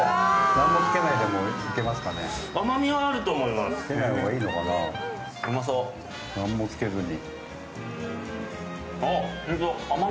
何もつけずに。